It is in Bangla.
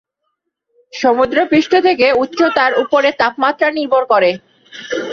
সমুদ্র-পৃষ্ঠ থেকে উচ্চতার উপরে তাপমাত্রা নির্ভর করে।